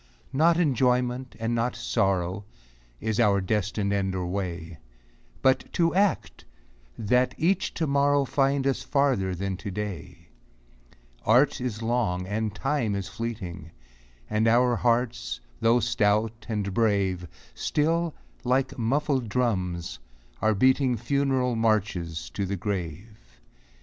VOICES OF THE NIGHT. Not enjoyment, and not sorrow, Is our destined end or way ; But to act, that each to morrow Find us farther than to day. Art is long, and Time is fleeting, And our hearts, though stout and brave, Still, like muffled drums, are beating Funeral marches to the grave.